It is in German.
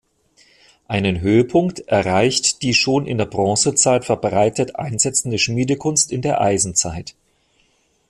Einen Höhepunkt erreicht die schon in der Bronzezeit verbreitet einsetzende Schmiedekunst in der Eisenzeit.